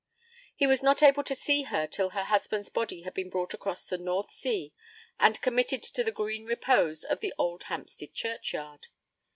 He was not able to see her till her husband's body had been brought across the North Sea and committed to the green repose of the old Hampstead churchyard.